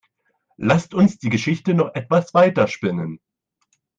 Lasst uns die Geschichte noch etwas weiter spinnen.